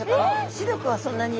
視力はそんなに。